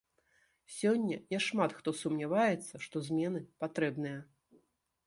Сёння няшмат хто сумняваецца, што змены патрэбныя.